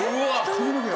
髪の毛が。